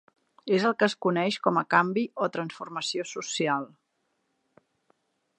És el que es coneix com a canvi o transformació social.